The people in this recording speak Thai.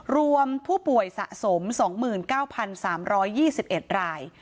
รวมผู้ป่วยสะสม๒๙๓๒๑ราย